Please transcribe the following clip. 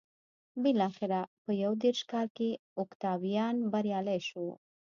بلاخره په یو دېرش کال کې اوکتاویان بریالی شو